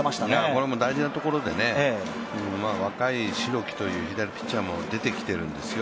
これは大事なところで若い代木というピッチャーも出てきてるんですよ。